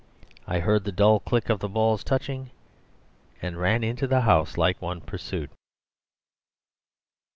I heard the dull click of the balls touching, and ran into the house like one pursued.